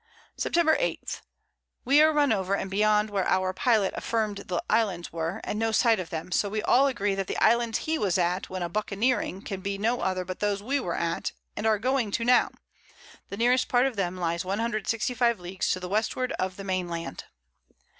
Sept. 8. We are run over and beyond where our Pilot affirm'd the Islands were, and no sight of them; so we all agree that the Islands he was at when a buccaneering can be no other but those we were at, and are going to now; the nearest part of them lies 165 Leagues to the Westward of the Main Land.